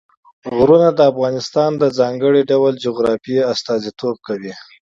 غرونه د افغانستان د ځانګړي ډول جغرافیه استازیتوب کوي.